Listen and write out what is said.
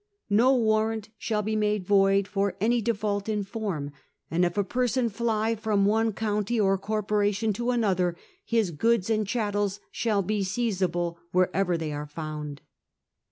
No warrant shall be made void for any default in form ; and if a person fly from one county or corporation to another, his goods and chattels shall be seizable wherever they are found.